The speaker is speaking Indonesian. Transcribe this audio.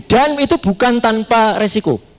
dan itu bukan tanpa resiko